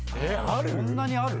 そんなにある？